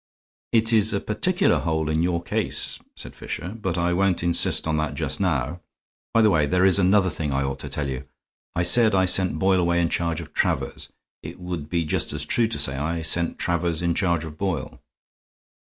"It is a particular hole in your case," said Fisher. "But I won't insist on that just now. By the way, there is another thing I ought to tell you. I said I sent Boyle away in charge of Travers. It would be just as true to say I sent Travers in charge of Boyle."